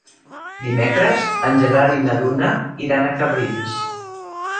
Dimecres en Gerard i na Duna iran a Cabrils.